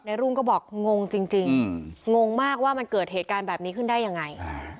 รุ่งก็บอกงงจริงงงมากว่ามันเกิดเหตุการณ์แบบนี้ขึ้นได้ยังไง